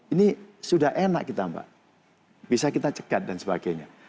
ini sudah enak kita mbak bisa kita cekat dan sebagainya